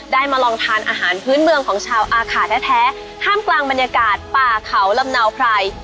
มาลองทานอาหารพื้นเมืองของชาวอาขาแท้ท่ามกลางบรรยากาศป่าเขาลำเนาไพร